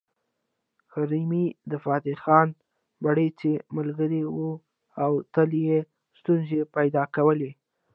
کرمي د فتح خان بړيڅ ملګری و او تل یې ستونزې پيدا کولې